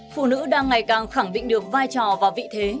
phụ nữ đang ngày càng khẳng định được vai trò và vị thế